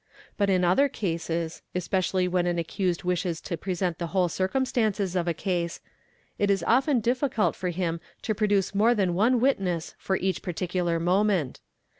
But in other cases, especially when an accused wishes to present the whole circumstances of a case, it is often difficult for him to produce more than one witness for each particular moment.